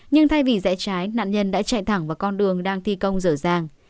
nhưng thay vì rẽ trái nạn nhân đã chạy thẳng vào con đường đang thi công dở dàng